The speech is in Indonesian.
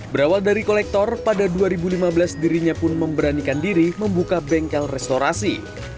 berawal dari kolektor pada dua ribu lima belas dirinya pun memberanikan diri membuka bengkel restorasi